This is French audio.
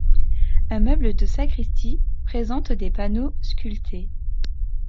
Un meuble de sacristie présente des panneaux sculptés.